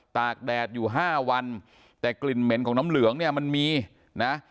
กแดดอยู่ห้าวันแต่กลิ่นเหม็นของน้ำเหลืองเนี่ยมันมีนะ